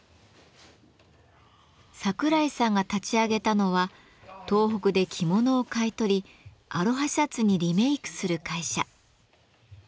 櫻井さんが立ち上げたのは東北で着物を買い取りアロハシャツにリメイクする会社。